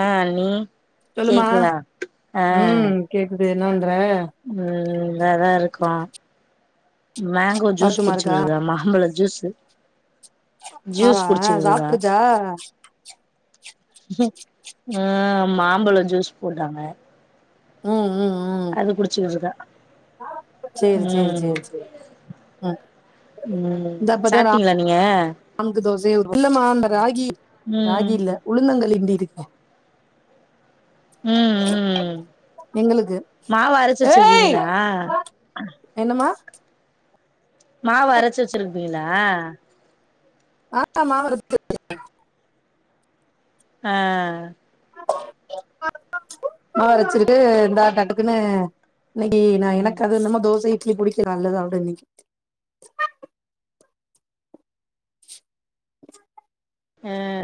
ஆ அண்ணி சொல்லுமா கேக்குதா ஆ ம் கேக்குது என்ன பண்ற ம் இந்தா இதா இருக்கோ மேங்கோ ஜூஸ் சாப்ட்டுமா குடிச்சினு இருக்கா இருக்க மாம்பழ ஜூஸு ஆவா ஜூஸ் குடிச்சினுக்கிதா சாப்ட்ருச்சா ம் மாம்பழ ஜூஸ் போட்டாங்க ம் ம் ம் அது குடிச்சுகிட்ருக்கா சேரி சேரி ம் சேரி சேரி ம் ம் சாப்ட்டீங்ளா நீங்க நமக்கு தோசயே ஊத் [unintelligible] இல்லமா அந்த ராகி ம் ராகி இல்ல உளுந்தங்களி கிண்டியிட்ருக்கே ம் ம் எங்குளுக்கு மாவு அரச்சு வச்சிருக்கீங்களா என்னமா மாவு அரச்சி வெச்சிருப்பீங்ளா ஆமா மாவரச்சி அ மாவரச்சிருக்கு இந்தா தட்க்குனு இன்னைக்கி நா ம் எனக்கு அதுல்லாம தோச இட்லி புடிக்கா நல்லா சாப்டுவ இன்னிக்கி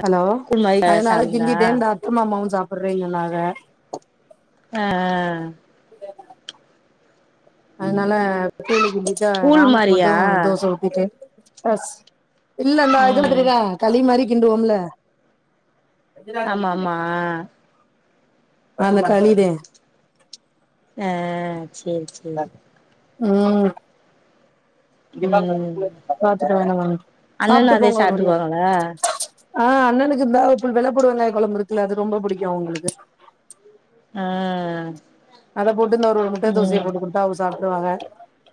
அலோ கூழ் மாரி அதுனால சாப்டுவீங்களா கிண்டிட்டே இந்த அத்த மாமாவு சாப்புற்றே சொன்னாக அ [unintelligible] அதுனால கூழு மிஞ்சிட்டா கூழ் ராம்க்கு மட்டு மாரியா தோச ஊத்திட்டு ஃபஸ் இல்லந்த இது ம் மாதிரித களி மாரி கிண்டுவோம்ல ஆமா ஆமா அ அந்த களிதே அ சேரி சே ம் ம் அண்ணனு சாப்ட்டு அதே போங்க ஒருவடியா சாப்ட்டுக்குவாங்களா அ அண்ணனுக்கு இந்தா பு வெள்ளப்பூண்டு வெங்காய கொழம்பு இருக்குல அது ரொம்போ புடிக்கு அவுங்குளுக்கு ஆ அத போட்டு இந்த ஒரு ஒரு முட்ட தோசைய ம் போட்டு குடு த்தா அவுக சாப்டுவாக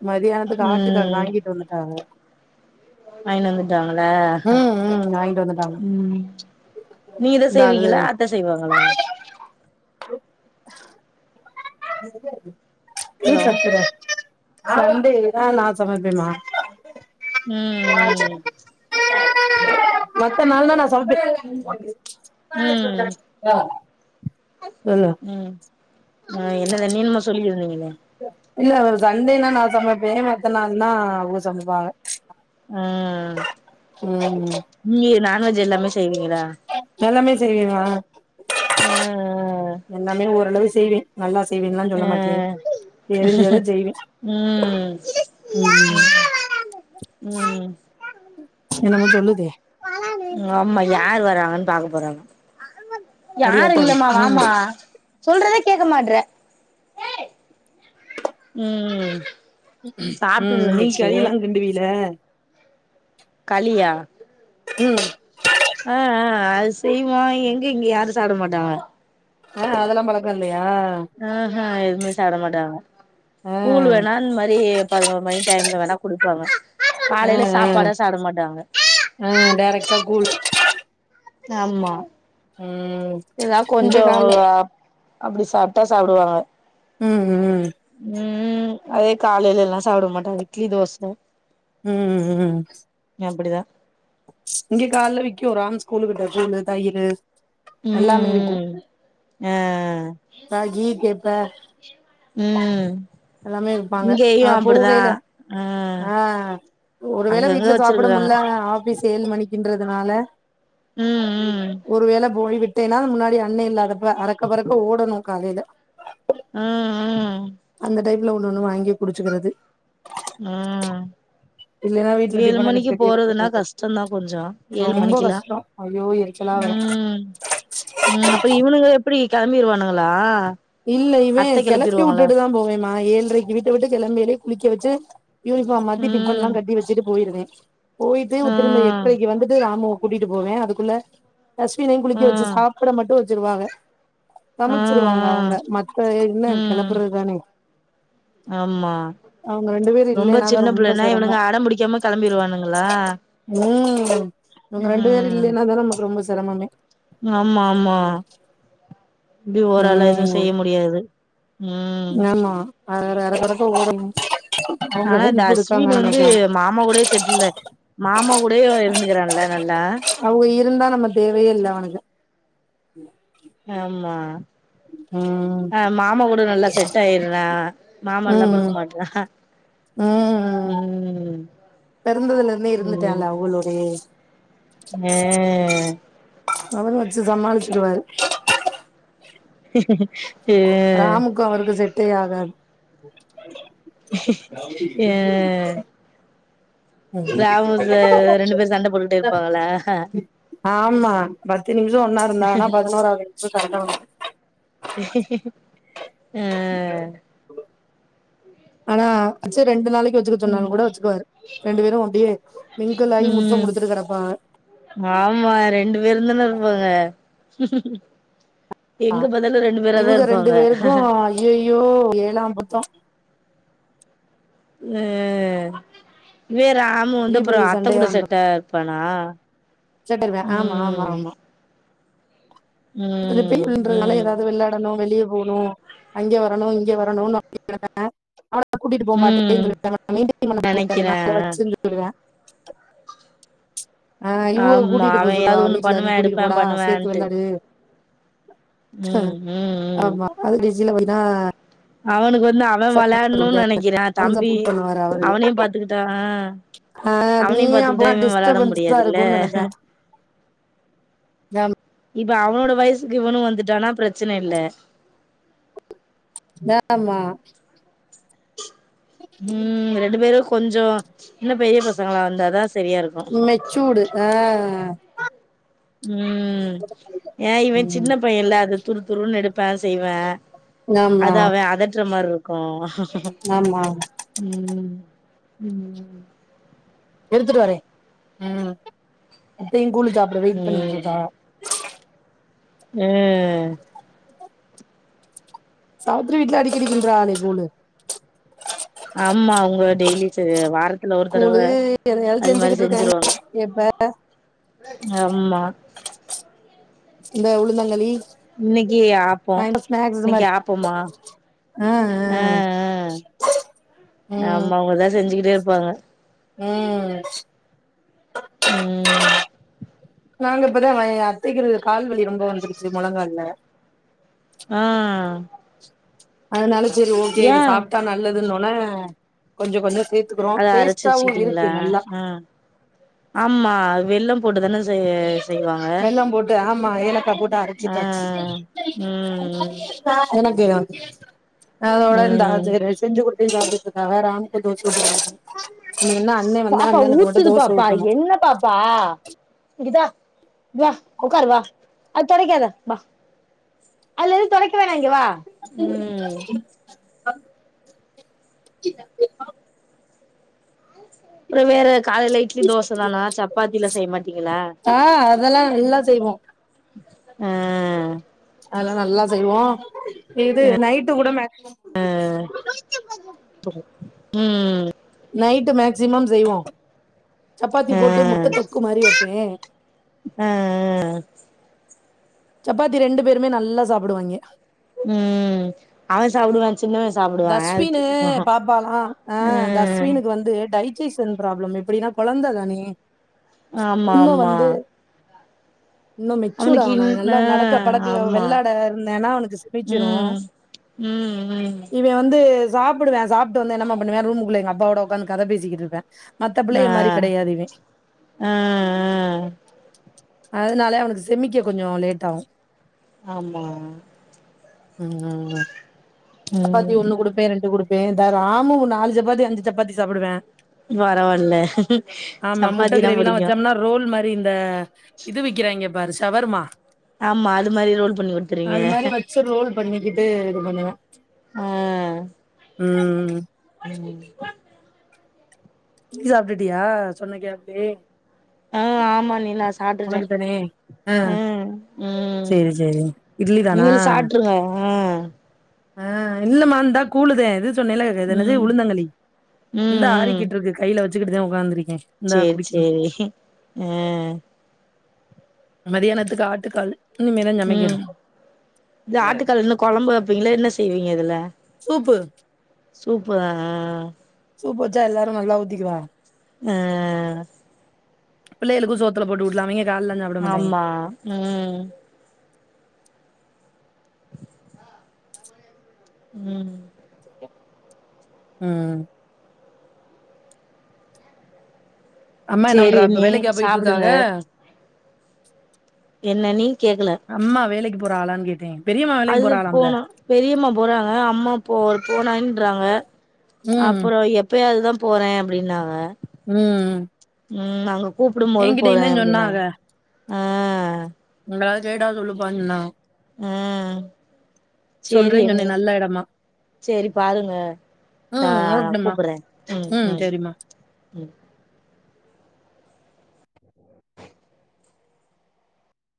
மதியானத்துக்கு ஆட்டுக்கால் ம் வாங்கிட்டு வந்துட்டாக வாய்ன் வந்துட்டாங்களா ம் ம் வாங்கிட்டு வந்துட்டாங்க ம் நீங்கதா இந்த அது செய்வீகளா அத்த செய்வாங்களா எதுக் ஹலோ கத்துர சன்டேதா நா சமைப்பேமா ம் ம் மத்த நாள்னா நா சமப்பே ம் சொல்லு ம் அ என்னது நீ என்னமோ சொல்லிகிருந்திங்களே இல்ல ஒரு சண்டேனா நா சமைப்பே மத்த நாள்னா அவுங்க சமைப்பாக ஆ இல்லியே நான்வெஜ் எல்லாமே செய்வீங்களா எல்லாமே செய்வேமா ஆ ஆ ஆ எல்லாமே ஓரளவு செய்வே நல்லா செய்வேன்லா சொல்ல மாட்டே ஆ தெரிஞ்சத செய்வே ம் ம் ம் என்னமோ சொல்லுதே ஆமா யார் வர்றாங்கன்னு பாக்க போறாலா அடி யாரும் ஆத்தாடி இல்லமா ம் வாமா ம் சாப்ட்டுட்டு ம் நீ இருந்துச்சு களியெலா கிண்டுவீல களியா ம் ஆ ஆ அது செய்வோ எங்க இங்க யாரு சாப்ட மாட்டாங்க ஆ அதல்லா பழக்கோ இல்லையா ஆஹ எதுவுமே சாப்ட மாட்டாங்க ஆ கூழ் வேணா இந்த மாரி பதினோரு மணி டைம்ல வேணா குடிப்பாங்க ஆ காலேல ஆ சாப்பாடே சாப்ட மாட்டாங்க ஆ டேரக்டா கூழ் ஆமா ம் எதா இங்க கொஞ்சோ கால்ல அப்டி சாப்ட்டா சாப்டுவாங்க ம் ம் ம் ம் அது காலேலல்லா சாப்ட மாட்டாரு இட்லி தோச ம் ம் அப்டிதா இங்க கால்ல விக்கு ராம் ஸ்கூலுக்கிட்ட கூழு தயிரு எல்லாமே விக்கு ம் ம் ஆ ராகி கேப்ப ம் எல்லாமே விப்பாங்கா இங்கேயு ஆ அப்டிதா போவேல ஆ ஆ ஒருவேள அங்கங்க வீட்ல சாப்ட வச்சிருக்குறாங்க முல்ல ஆபீஸ் ஏழு மணிக்கின்றதுனால ம் ம் ஒருவேள போய் விட் டேன்னா முன்னாடி அண்ணே இல்லாதப்ப அறக்க பறக்க ஓடணு காலேல ம் ம் அந்த டைம்ல ஒண்ணு ஒண்ணு வாங்கி குடிச்சுக்கிறது ம் இல்லைன்னா வீட்ல ஏழு டிஃபன கட்டி மணிக்கி கட்டி எடுத்துட்டு போறதுன்னா போயிடுவே கஷ்டந்தா கொஞ்சோ ஏழு ரொம்ப மணிக்கில்லா கஷ்டோ ஐயோ எரிச்சலா வரு ம் அப்ப இவனுங்க எப்டி கெளம்பிருவானுங்களா இல்ல இவே அத்த கெளப்பி கெளப்பிருவாங்களா விட்டுட்டுதா போவே மா ஏழ்ரைக்கு வீட்ட விட்டு கெளம்பேலயே குளிக்க வச்சி யூனிஃபார்ம் மாத்தி ம் டிஃபன்ல்லா கட்டி வச்சிட்டு போயிருவே போயிட்டு திரும்ப ம் எட்ரைக்கு வந்துட்டு ராமுவ கூட்டிட் டு போவே அதுக்குள்ள அஸ்வினையு ம் குளிக்க வச்சி ம் சாப்ட மட்டு வச்சிருவாக சமச்சிருவாங்க ம் அவங்க மத்த என்ன ம் கெளப்புறதுதானே ஆமா அவுங்க ரெண்டு பேரு ரொம்ப இல்லைன்னாதா சின்ன ரொம்ப பிள்ளன்னா சிரமோ இவனுங்க அடம் புடிக்காம கெளம்பிருவானுங்களா ம் இவுங்க ரெண்டு பேரு இல்லைன்னாதா நமக்கு ரொம்ப சிரமமே ம் ஆமா ஆமா இப்டி ஓராளா எது ம் செய்ய முடியாது ம் ஆமா அ அரக்பறக்க ஓடனு ஆனா த அஸ்வின் வந்து மாமா கூடே செட்ல்லு மாமா கூடய இருந்துக்கிறான்ல நல்லா அவங்க இருந்தா நம்ம தேவையே இல்ல அவனுக்கு ஆமா ம் ஆ மாமா கூட நல்லா செட் ஆயிர்றா மாமா இல்லாம இருக்க ம் மாட்றா ம் ம் பெறந்ததுலருந்தே இருந்துட்டால அவங்களோடயே எ அவரு வச்சு சமாளிச்சிருவாரு ம் க்கு அவருக்கு செட்டை ஆகா எ [unintelligible] ரெண்டு பேர் சண்ட போட்டுட்டே இருப்பாங்ளே ஆமா பத்து நிமிஷோ ஒன்னா இருந்தாங்கனா பதினோராவது நிமிஷோ சண்ட வ ஆ ஆனா அச்ச ரெண்டு நாளைக்கு வெ ச்சுக்க சொன்னா ம் கூட வச்சுக்குவாரு ரெண்டு பேரு அப்டியே மிங்கில் ஆயி முத்தம் ம் குடுத்துட்டு கெடப்பாங்க ஆமா ரெண்டு பேருதானே இருப்பாங்க எங்க பதில ரெண்டு பேராதா இருப்பாங்க ஐயயோ ஏழாம் பொர்த்தோ ஆ வேற ராமு வந்து பெரிய அப்புற பெரிய அத்த சண்டையா கூட செட்டா இருப்பானா செட்ட அ ஆமா ஆமா ம் ஆமா கொஞ்ச போய் ம் வின்றதுனால ம் எதாவது விளாடணு வெளியே போணு அங்க வரணு இங்க வரணுன் [unintelligible] கூட்டிட்டு போ மாட்டே ம் சொல்லுவே மெயின்டென் பண்ண முடியாது நா நெனைக்கிறே [unintelligible] [unintelligible] ஆ இவங்கோ ஆமா கூட்டிட்டு போ அவே சொல்லுவா ஏதாவது ஒண்ணு வீட்டுல நீ பண்ணுவே கூட்டிட்டு எடுப்பே போடா சேர்த்து பண்ணுவேன்ட்டு விளையாடு ஆ ம் ம் ம் ஆமா அது டிஜில பன்னா அவனுக்கு வந்து அவ விளையாட்ணுன் நெனைக்கிறா அவனுக்கு தம்பி சப்போர்ட் பண்ணுவாரு அவரு அவனையு பாத்துக்கிட்டா ஆ அவனையு நீயே அப்ப பாத்துக்கிட்டு இவ வெளாடம் டிஸ்டபன்ஸா முடியாதுல்ல இருக்குன்னு நெனப்பே இப்ப அவனோட வயசுக்கு இவனு வந்துட்டானா பிரச்சனை இல்ல த ஆமா ம் ரெண்டு பேரு கொஞ்சோ இன்னு பெரிய பசங்களா வந்தாதா சரியா இருக் ம் மெச்சூடு ஆ ம் ஏ இவ ம் சின்ன பையன்ல்ல அது துரு துருன்னு எடுப்பே செய்வே ஆமா அத அவ அதட்ற மார்ருக்கு ஆமா ம் ம் எடுத்துட்டு வரே ம் அப்பையு கூலி சாப்பட வெயிட் பண்ணிட்ருக்காறா ஆ சாவ்த்திரி வீட்ல அடிக்கடி கின்றாலே கூலு ஆமா அவங்க டெய்லி ச வார துல ஒரு தடவ கூழு எதையாவது அது மாரி செஞ்சுகிட்டு இருக்காங்க செஞ்சிருவாங்க இப்ப ஆம்மா இந்த உளுந்தங்கலி இன்னிக்கி ஆப்போ இன்னைக்கு ஆப்போமா அஅ ஆமா அவுங்கதா செஞ்சுகிட்டே இருப்பாங்க ம் ம் நாங்க இப்பதா வை அத்தைக்கிருந்த கால்வலி ரொம்ப வந்துருச்சு மொழங்கல்ல ஆ அதனால சரி ஓகே ஏ இத சாப்ட்டா நல்லதுன்னோனே கொஞ்சோ கொஞ்சொ சேத் துக்குறோ அத அரச்சு டேஸ்ட்டாவு வச்சுக்கிட்டீங்களா இருக்கு நல்லா ஆ ஆமா வெல்லம் போட்டுதான செய வெல்லம் போட்டு ஆமா ஏலக்கா போட்டு ஆ அரைச்சிட்டாச்சு ம் என்ன கீர அதோட இந்த ம் ஆஜை ரைஸ் செஞ்சி குடுத்தே சாப்டுகிட்டு இருக்காக ராம்கு தோச சுட்டு குடுத்தே இன்னு அண்ணே வந்தா அண்ணனுக்கு மட்டு தோச ஊத்தணு வா இதா வா உக்கார் வா அது தோடைக்கேதா வா அல்லது தொடக்க வேணங்கே வா உம் [unintelligible] வேற காலைலைக் இட்லி தோச தானா சப்பாத்திலா செய்ய மாட்டீங்களா ஆ அதெல்லா நல்லா செய்வோ அ அதெல்லா நல்லா செய்வோ இது நைட்டு கூட மேக்சிமம் ஆ ம் நைட்டு மேக்சிமம் செய்வோ சப்பாத்தி ஆ போட்டு முட்ட தொக்கு மாரி வப்பே அ சப்பாத்தி ரெண்டு பேருமே நல்லா சாப்டுவாய்ங்க ம் அவே சாப்டுவா சின்னவே அஸ்வினு பாப்பாலா அ இந்த ம் அஸ்வினுக்கு வந்து டை ஜஸன் ப்ராப்ளம் எப்டின்னா கொழந்த தானே ஆமா இன்னு ஆமா வந்து இன்னு மெச்சூட் அவனுக்கு ஆவனு அவ இன் நல்லா ஆ நடக்க படக்க ஆமா வெள்ளாட இருந்தான்னா அவனுக்கு பீச்சிரு ம் ம் ம் இவே வந்து சாப்பிடுவா சாப்ட்டு வந்து என்னம்மா பண்ணுவா ரூம்க்குள்ள எங்க அப்பாவோட உக்காந்து கத பேசிக்கிட்டு இருப்பா மத்த ஆ பிள்ளையல் மாரி கெடையாது இவே ஆ ஆ அதனால அவனுக்கு செமிக்க கொஞ்சோ லேட் ஆவு ஆமா ம் ம் சப்பாத்தி ஒண்ணு குடுப்பே ரெண்டு குடுப்பே த ராமு நாலு சப்பாத்தி அஞ்சு சப்பாத்தி சாப்பிடுவா பரவால்ல ஆமா முட்ட சப்பாத்தினா கிரேவிலா புடிக்கு வச்சோம்னா ரோல் மாரி இந்த இது விக்கிறாய்ங்க பாரு சவர்மா ஆமா அது மாரி ரோல் பண்ணி குடுத்துறுவீங்க ச ரோல் பண்ணிக்கிட்டு இது பண்ணுவே அ ம் ம் நீ சாப்டிட்டியா சொன்ன கேப்லே ஆ ஆமா நினாஸ் சாப்டுட்டேன் உனக்கு தானே ஆ ம் ம் சேரி சேரி இட்லி தானா நீங்களு சாப் ட்ருங்க ஆ ஆ இல்லம்மா இந்தா கூலுதே இது சொன்னல இது என்னது ம் உளுந்தங்கழி ம் இந்தா ம் ஆரிக்கிட்டு இருக்கு கையில வச்சிக்கிட்டு தா உக்காந்துருக்கேன் சேரி சேரி அ மதியானத்துக்கு ஆட்டுக்கால் இனிமேதா சமைக்கணு ம் இது ஆட்டுக்கால் இன்னு கொழம்பு வப்பீங்களா என்ன செய்வீங்க இதுல சூப்பு சூப்பா ஆ சூப்பு வச்சா எல்லாரு நல்லா ஊதிக்குவாக அ பிள்ளைகளுக்கு சோத்துல போட்டு ஊட்டலாமே எது ஆல்லனா ஆமா ம் ம் ம் அம்மா என்ன சேரி பண்றா இப்ப அண்ணி வேலைக்கா போயிட்டு இருக்காக சாப்டுங்க என்ன அண்ணி கேக்கல அம்மா வேலைக்கு போறாகளான்னு கேட்டேன் அது போனு பெரியம்மா போறாங்க அம்மா போ போனான்றாங்க ம் அப்புறோ எப்பயாதுதா போறேன் அப்பிடின்னாவ ம் ம் அவங்க கூப்பிடும் போது என்கிட்டயு தா போவேன் அப்டின்னா அ உங்க சேடாகு உள்ள பதிஞ்சரணும் ம் சொல்றீங்கலே நல்ல இடமா சேரி பாருங்க ம் நான் ஓகேம்மா கூப்பிட்றேன் ம் ம் ம்